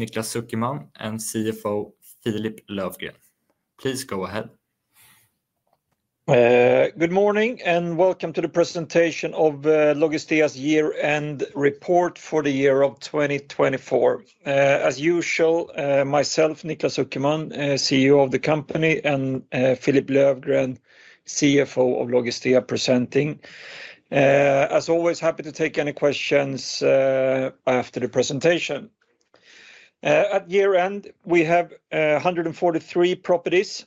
Niklas Zuckerman and CFO Philip Löfgren. Please go ahead. Good morning and welcome to the presentation of Logistea's year-end report for the year of 2024. As usual, myself, Niklas Zuckerman, CEO of the company, and Philip Löfgren, CFO of Logistea, presenting, as always, happy to take any questions after the presentation. At year end we have 143 properties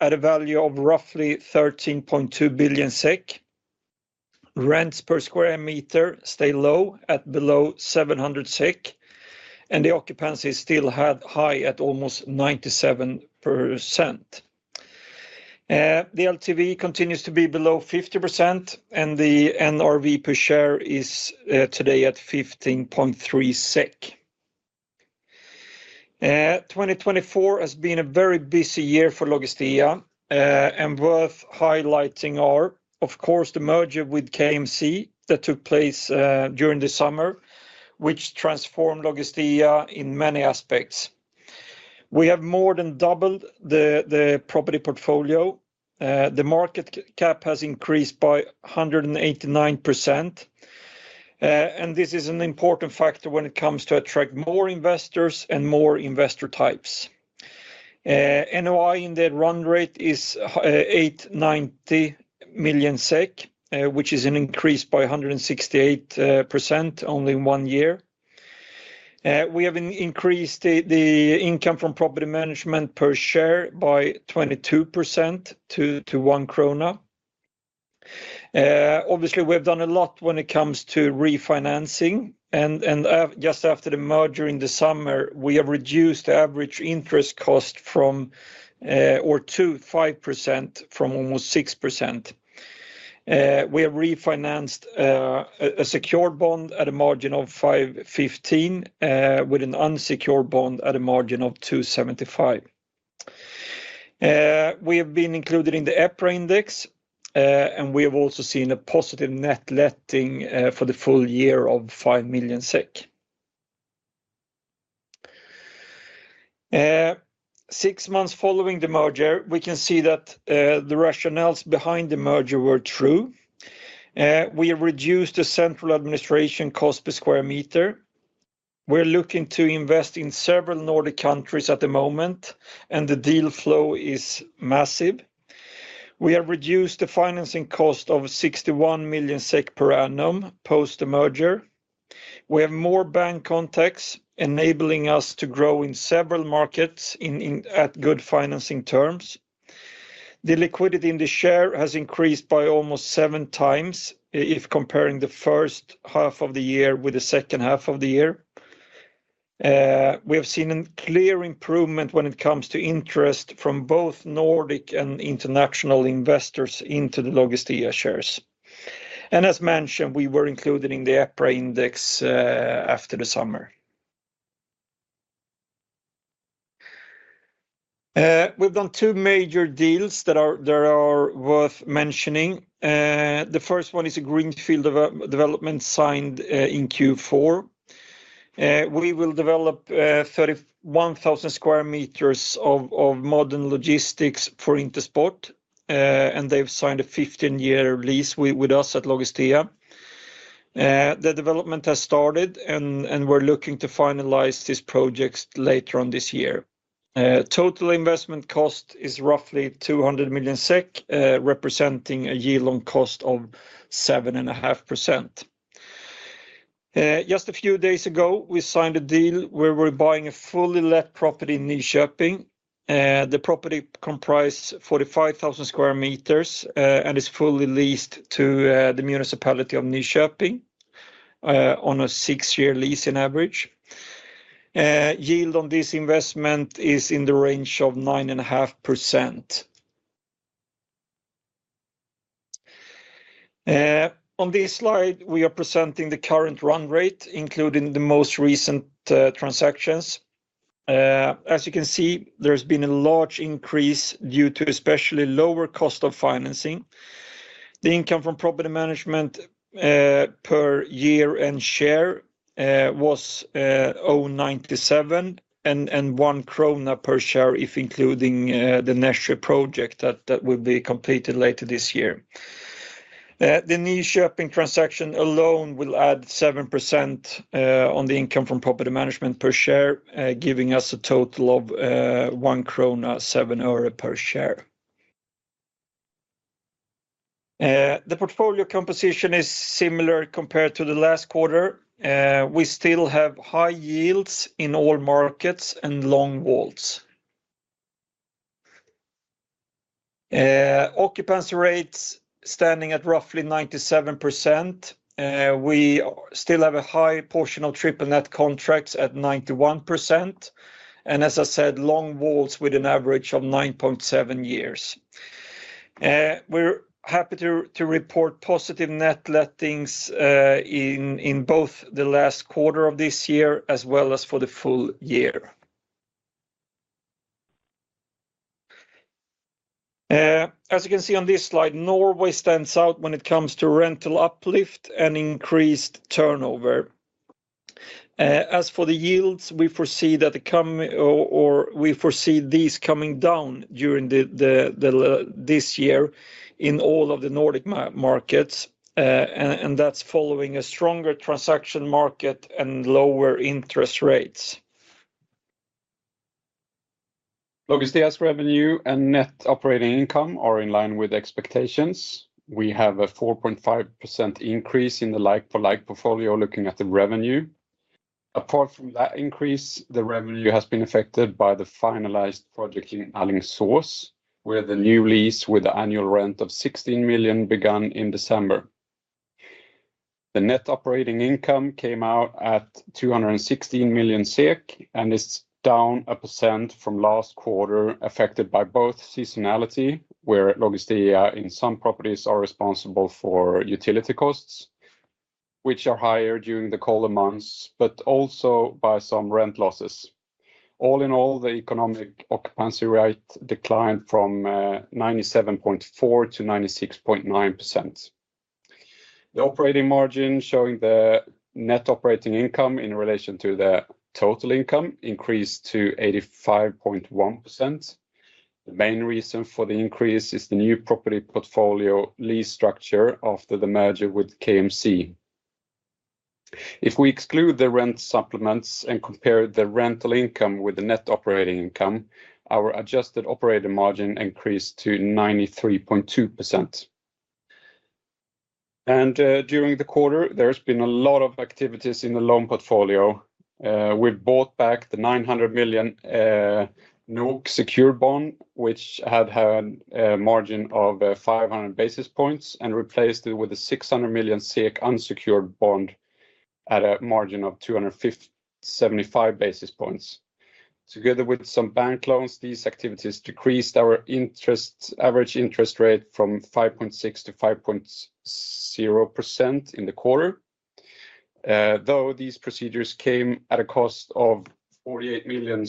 at a value of roughly 13.2 billion SEK. Rents per square meter stay low at below 700 SEK and the occupancy still had high at almost 97%. The LTV continues to be below 50% and the NRV per share is today at 15.3 SEK. 2024 has been a very busy year for Logistea, and worth highlighting are, of course, the merger with KMC that took place during the summer, which transformed Logistea in many aspects. We have more than doubled the property portfolio. The market cap has increased by 189%. This is an important factor when it comes to attract more investors and more investor types. NOI in the run rate is 890 million SEK which is an increase by 168% only in one year. We have increased the income from property management per share by 22% to 1 krona. Obviously we've done a lot when it comes to refinancing and just after the merger in the summer we have reduced average interest cost to 5% from almost 6%. We have refinanced a secured bond at a margin of 515 with an unsecured bond at a margin of 275. We have been included in the EPRA Index and we have also seen a positive net letting for the full year of 5 million SEK. Six months following the merger. We can see that the rationales behind the merger were true. We reduced the central administration cost per square meter. We're looking to invest in several Nordic countries at the moment and the deal flow is massive. We have reduced the financing cost of 61 million SEK per annum post the merger. We have more bank contacts enabling us to grow in several markets at good financing terms. The liquidity in the share has increased by almost seven times it. If comparing the first half of the year with the second half of the year. We have seen a clear improvement when it comes to interest from both Nordic and international investors into the Logistea shares, and as mentioned, we were included in. The EPRA Index after the summer. We've done two major deals that are worth mentioning. The first one is a greenfield development signed in Q4. We will develop 31,000 square meters of modern logistics for Intersport, and they've signed a 15-year lease with us at Logistea. The development has started, and we're looking to finalize this project later on this year. Total investment cost is roughly 200 million SEK, representing a yield on cost of 7.5%. Just a few days ago, we signed a deal where we're buying a fully let property in Nyköping. The property comprised 45,000 square meters and is fully leased to the Municipality of Nyköping on a six-year leasing. Average yield on this investment is in the range of 9.5%. On this slide we are presenting the current run rate including the most recent transactions. As you can see, there's been a large increase due to especially lower cost of financing. The income from property management per year and share was 0.97 and 1 krona per share. If including the Nässjö project that will be completed later this year, the Nyköping transaction alone will add 7% on the income from property management per share giving us a total of SEK 1.07 per share. The portfolio composition is similar compared to the last quarter. We still have high yields in all markets and long WALTs. Occupancy rates standing at roughly 97%. We still have a high portion of triple net contracts at 91% and as I said long leases with an average of 9.7 years. We're happy to report positive net lettings in both the last quarter of this year as well as for the full year. As you can see on this slide, Norway stands out when it comes to rental uplift and increased turnover. As for the yields, we foresee these coming down during this year in all of the Nordic markets and that's following a stronger transaction market and lower interest rates. Logistea's revenue and net operating income are in line with expectations. We have a 4.5% increase in the like for like portfolio. Looking at the revenue apart from that increase, the revenue has been affected by the finalized project in Alingsås where the new lease with the annual rent of 16 million began in December. The net operating income came out at 216 million SEK and it's down 1% from last quarter affected by both seasonality where Logistea in some properties are responsible for utility costs which are higher during the colder months, but also by some rent losses. All in all, the economic occupancy rate declined from 97.4% to 96.9%. The operating margin showing the net operating income in relation to the total income increased to 85.1%. The main reason for the increase is the new property portfolio lease structure after the merger with KMC. If we exclude the rent supplements and compare the rental income with the net operating income, our adjusted operating margin increased to 93.2%. During the quarter, there's been a lot of activities in the loan portfolio. We bought back the SEK 900 million non-secured bond which had a margin of 500 basis points and replaced it with a 600 million SEK unsecured bond at a margin of 275 basis points. Together with some bank loans, these activities decreased our average interest rate from 5.6% to 5.00% in the quarter. Though these procedures came at a cost of 48 million,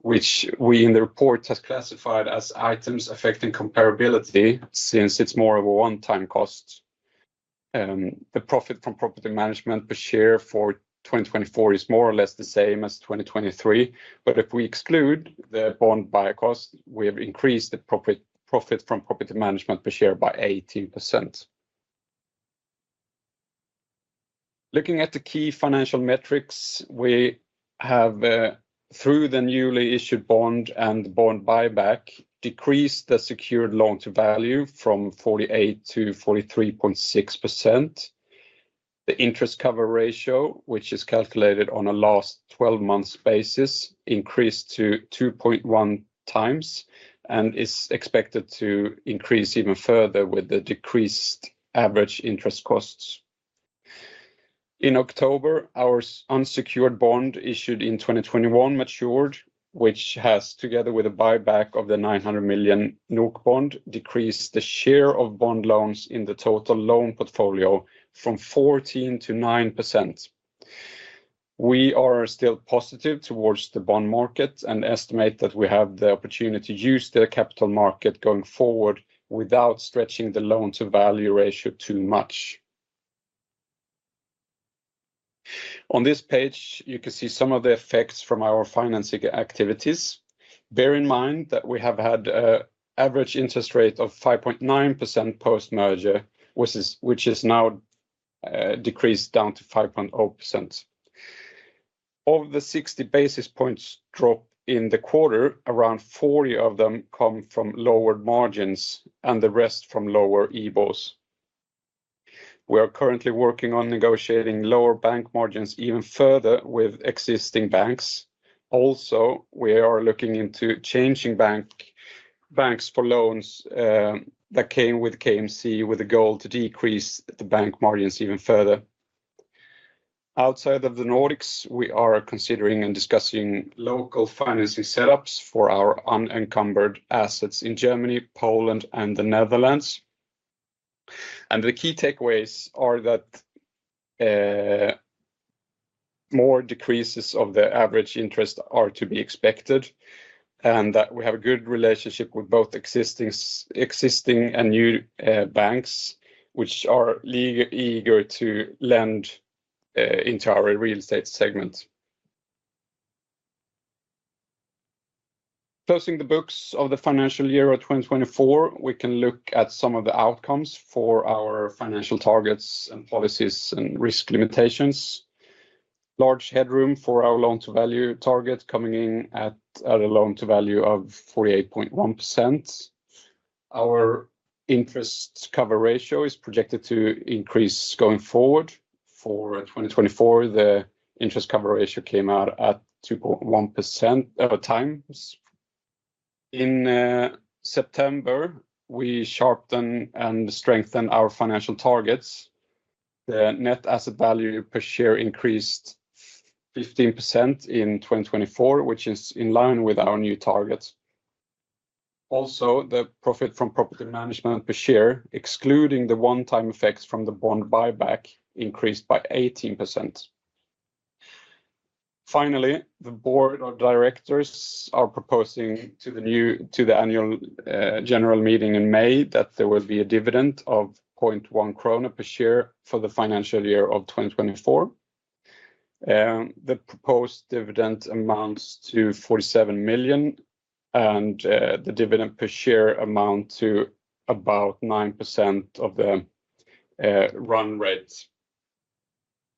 which we in the report has classified as items affecting comparability. Since it's more of a one-time cost. The profit from property management per share for 2024 is more or less the same as 2023. But if we exclude the bond buyback cost, we have increased the profit from property management per share by 18%. Looking at the key financial metrics, we have through the newly issued bond and bond buyback decreased the secured loan to value from 48% to 43.6%. The interest cover ratio, which is calculated on a last 12 months basis, increased to 2.1 times and is expected to increase even further with the decreased average interest costs. In October, our unsecured bond issued in 2021 matured, which has together with a buyback of the 900 million NOK bond, decreased the share of bond loans in the total loan portfolio from 14% to 9%. We are still positive towards the bond market and estimate that we have the opportunity to use the capital going forward without stretching the loan to value ratio too much. On this page you can see some of the effects from our financing activities. Bear in mind that we have had average interest rate of 5.9% post merger which has now decreased down to 5.0%. Of the 60 basis points drop in the quarter, around 40 of them come from lowered margins and the rest from lower IBORs. We are currently working on negotiating lower bank margins even further with existing banks. Also, we are looking into changing banks for loans that came with KMC with a goal to decrease the bank margins even further. Outside of the Nordics, we are considering and discussing local financing setups for our unencumbered assets in Germany, Poland and the Netherlands, and the key takeaways are that. More. Decreases of the average interest are to be expected and that we have a good relationship with both existing and new banks which are eager to lend into our real estate segments. Closing the books of the financial year of 2024, we can look at some of the outcomes for our financial targets and policies and risk limitations. Large headroom for our loan to value target coming in at a loan to value of 48.1%. Our interest cover ratio is projected to increase going forward. For 2024, the interest cover ratio came out at 2.1x. In September, we sharpened and strengthened our financial targets. The net asset value per share increased 15% in 2024, which is in line with our new targets. Also, the profit from property management per share, excluding the one-time effects from the bond buyback, increased by 18%. Finally, the board of directors are proposing to the annual general meeting in May that there will be a dividend of 0.1 krona per share for the financial year of 2024. The proposed dividend amounts to 47 million and the dividend per share amount to about 9% of the run rates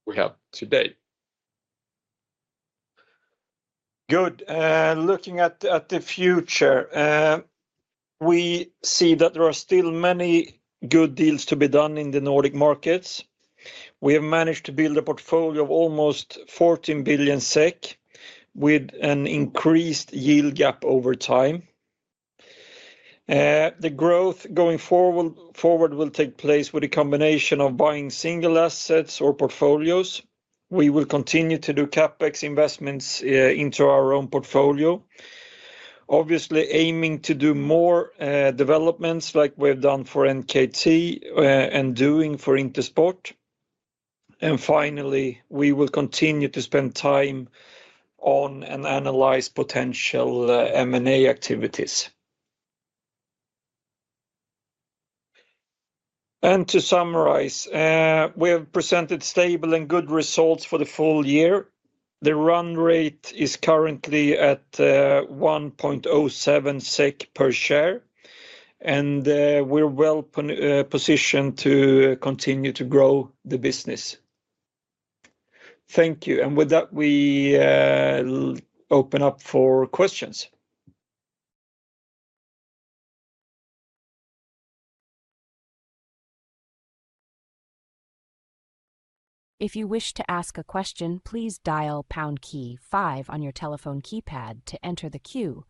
we have today. Good. Looking at the future. We see that there are still many good deals to be done in the Nordic markets. We have managed to build a portfolio of almost 14 billion SEK with an increased yield gap over time. The growth going forward will take place with a combination of buying single assets or portfolios. We will continue to do CapEx investments into our own portfolio, obviously aiming to do more developments like we've done for NKT and doing for Intersport. And finally, we will continue to spend time on and analyze potential M&A activities. To summarize, we have presented stable and good results for the full year. The run rate is currently at 1.07 SEK per share and we're well positioned to continue to grow the business. Thank you. And with that we open up for questions. If you wish to ask a question, please dial key five on your telephone keypad to enter the queue.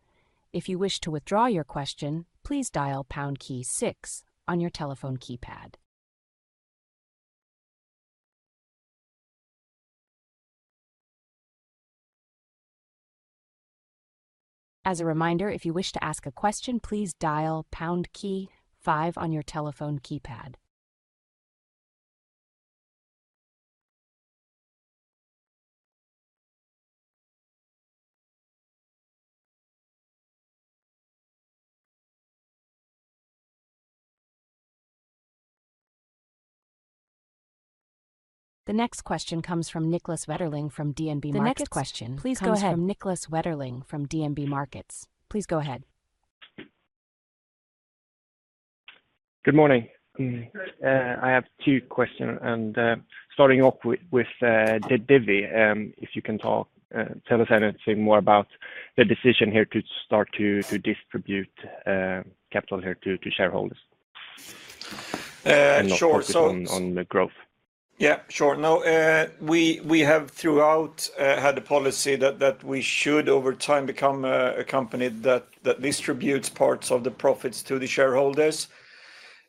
If you wish to withdraw your question, please dial pound key six on your telephone keypad. As a reminder, if you wish to ask a question, please dial key five on your telephone keypad. The next question comes from Niklas Wetterling from DNB Markets. The next question please go ahead, Niklas from DNB Markets. Please go ahead. Good morning. I have two questions, and starting off with dividend, if you can talk to us anything more about the decision here to start to distribute capital here to shareholders on the growth. Yeah, sure. No, we have throughout had a policy that we should over time become a company that distributes parts of the profits to the shareholders.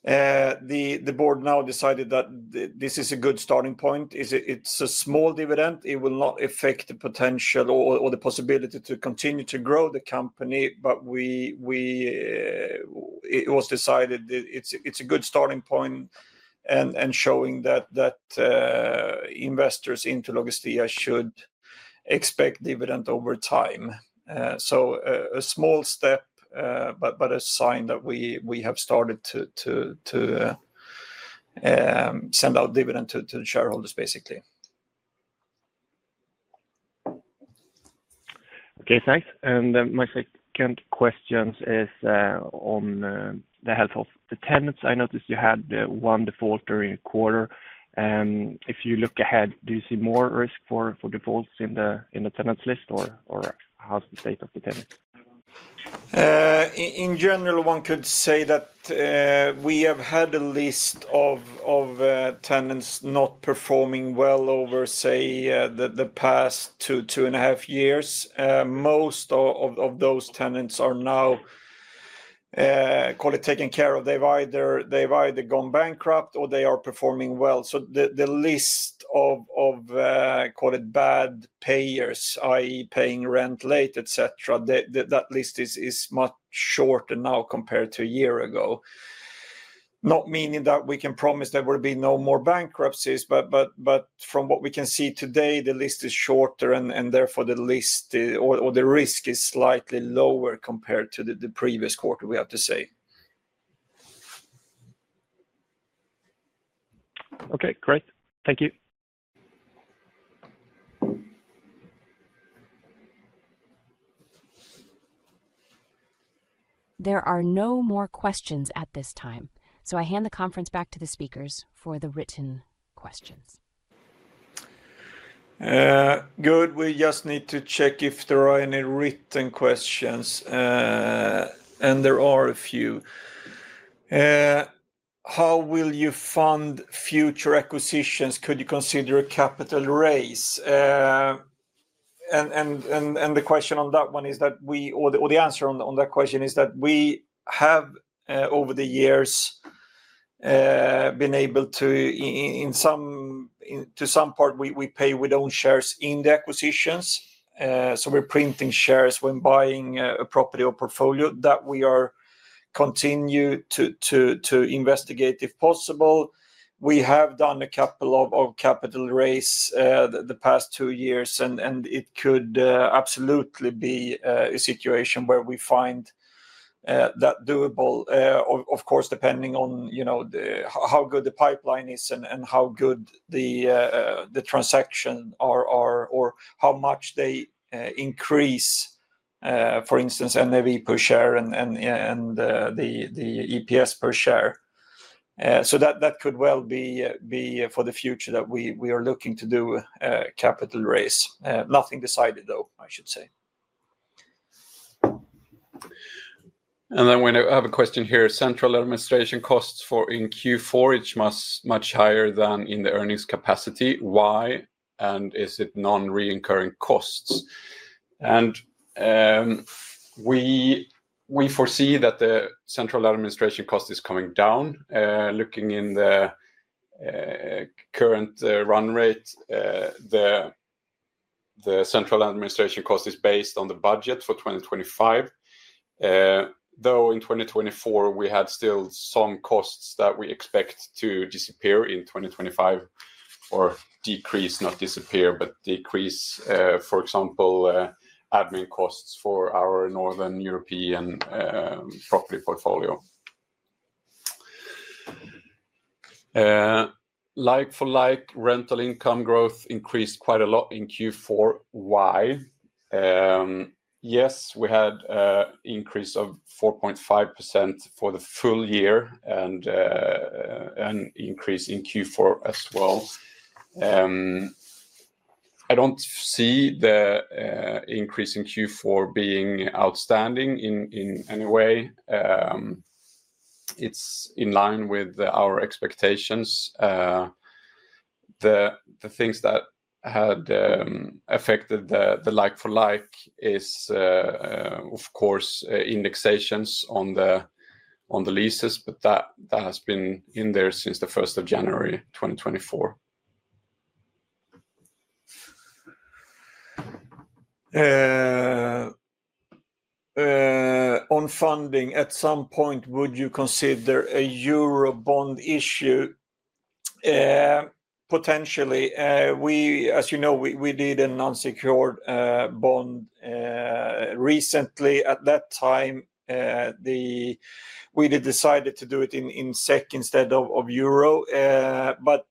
The board now decided that this is a good starting point. It's a small dividend. It will not affect the potential or the possibility to continue to grow the company. But we. It was decided. It's a good starting point and showing that investors into Logistea should expect dividend over time. So a small step but a sign that we have started to, to send out dividend to the shareholders basically. Okay, thanks. And my second question is on the health of the tenants. I noticed you had one default during a quarter. If you look ahead, do you see more risk for defaults in the tenants list or how's the state of the tenant? In general? One could say that we have had a list of tenants not performing well over say the past two, two and a half years. Most of those tenants are now, call it taken care of. They've either gone bankrupt or they are performing well, so the list of call it bad payers that is paying rent late etc. That list is much shorter now compared to a year ago, not meaning that we can promise there will be no more bankruptcies, but from what we can see today the list is shorter and therefore the list or the risk is slightly lower compared to the previous quarter. We have to say. Okay, great. There are no more questions at this time. So I hand the conference back to the speakers for the written questions. Good. We just need to check if there are there any written questions, and there are a few. How will you fund future acquisitions? Could you consider a capital raise? The answer on that question is that we have over the years. We have been able to in some part pay with own shares in the acquisitions. So we're printing shares when buying a property or portfolio that we continue to investigate if possible. We have done a couple of capital raise the past two years and it could absolutely be a situation where we find that doable. Of course depending on you know how good the pipeline is and how good the transactions are or how much they increase. For instance NAV per share and the EPS per share. So that could well be for the future that we are looking to do capital raise. Nothing decided though, I should say. Then we have a question here. Central administration costs for in Q4. It's much higher than in the earnings capacity. Why? And is it non-recurring costs and. We foresee that the central administration cost is coming down looking in the current run rate, the central administration cost is based on the budget for 2025, though in 2024 we had still some costs that we expect to disappear in 2025 or decrease, not disappear but decrease. For example, admin costs for our Northern European property portfolio. Like for like rental income growth increased quite a lot in Q4. Why? Yes, we had increase of 4.5% for the full year and an increase in Q4 as well. I don't see the increase in Q4 being outstanding in any way. It's in line with our expectations. The things that had affected the like for like is of course indexations on the leases, but that has been in there since 1st January 2024. On funding at some point would you consider a Eurobond issue? Potentially, as you know, we did an unsecured bond recently. At that time we decided to do it in SEK instead of euro but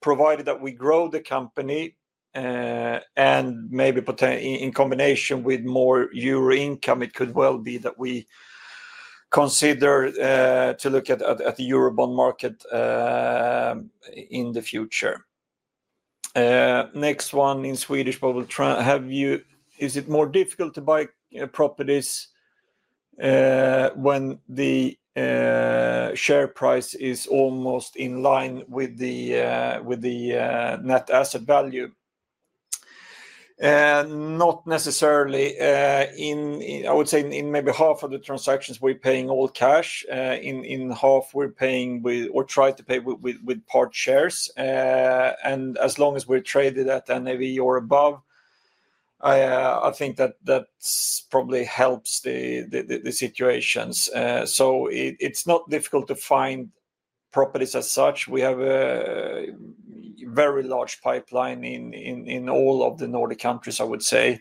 provided that we grow the company. Maybe potentially in combination with more euro income it could well be that we consider to look at the Eurobond market in the future. Next one in Swedish but we'll try. Is it more difficult to buy properties when the share price is almost in line with the net asset value? Not necessarily. In, I would say, in maybe half of the transactions we're paying all cash in half. We're paying with or try to pay with part shares and as long as we're traded at NAV or above I think that probably helps the situations. So it's not difficult to find properties as such. We have a very large pipeline in all of the Nordic countries, would say.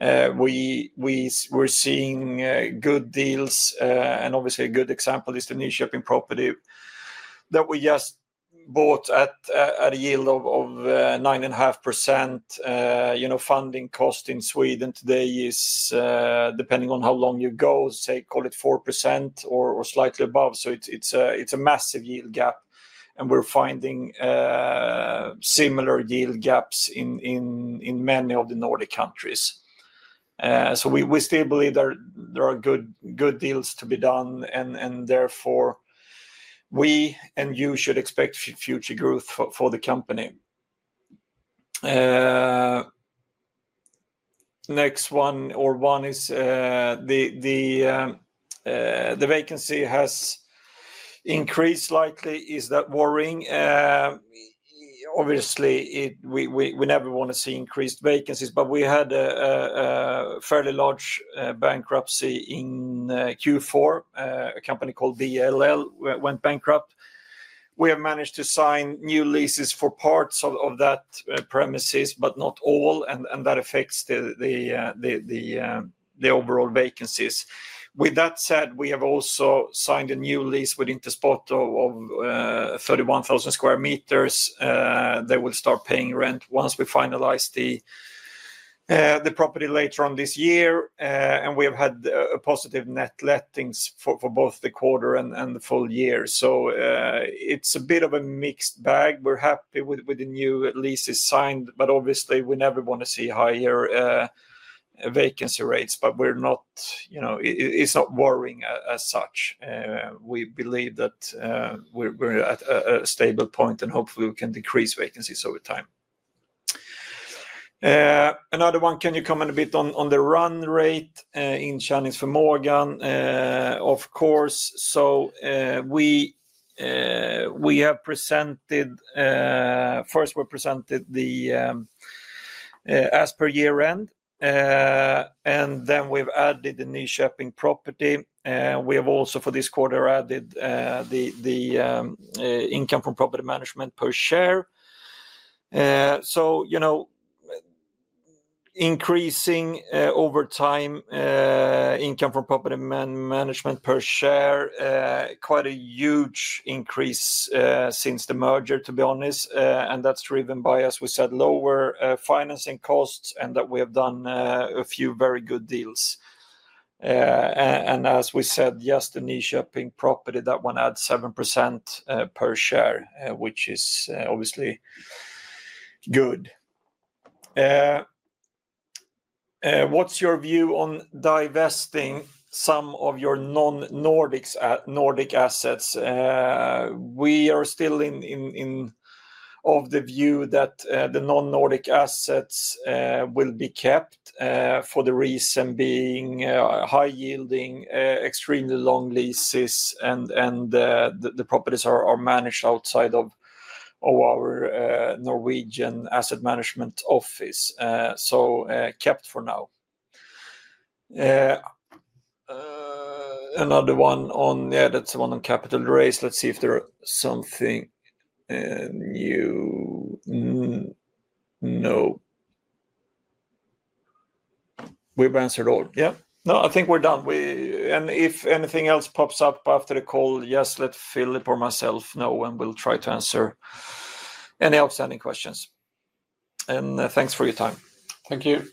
We. We're seeing good deals and obviously a good example is theNyköping property that we just bought at a yield of 9.5%. You know, funding cost in Sweden today is depending on how long you go, say call it 4% or slightly above. So it's a massive yield gap and we're finding similar yield gaps in many of the Nordic countries. So we still believe there are good deals to be done and therefore we and you should expect future growth for the company. Next one is. The vacancy has increased slightly. Is that worrying? Obviously we never want to see increased vacancies but we had fairly large bankruptcy in Q4. A company called BLL went bankrupt. We have managed to sign new leases for parts of that premises but not all and that affects the overall vacancies. With that said, we have also signed a new lease with Intersport of 31,000 square meters. They will start paying rent once we finalize the property later on this year. We have had a positive net lettings for both the quarter and the full year. It's a bit of a mixed bag. We're happy with the new leases signed but obviously we never want to see higher vacancy rates. We're not, you know, it's not worrying as such. We believe that we're at a stable point and hopefully we can decrease vacancies over time. Another one, can you comment a bit on, on the run rate in changes from merger? Of course. So, we have presented. Presented the, as per year end and then we've added the Nyköping property. We have also for this quarter added the income from property management per share. So you know. Increasing over time. Income from property management per share. Quite a huge increase since the merger to be honest. And that's driven by as we said lower financing costs and that we have done a few very good deals. As we said just Nyköping property. That one had 7% per share, which is obviously good. What's your view on divesting some of your non-Nordics Nordic assets? We are still in. In. In of the view that the non-Nordic assets will be kept for the reason being high yielding, extremely long leases and the properties are managed outside of our Norwegian asset management office. So kept for now. Another one on. Yeah, that's the one on cap rates. Let's see if there's something new. No. We've answered all. Yeah. No, I think we're done. And if anything else pops up after the call. Yes, let Philip or myself know and we'll try to answer any questions and thanks for your time. Thank you.